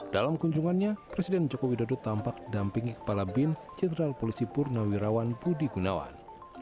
dalam kunjungannya presiden joko widodo tampak dampingi kepala bin jenderal polisi purnawirawan budi gunawan